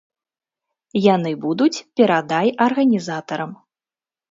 Яны будуць, перадай арганізатарам.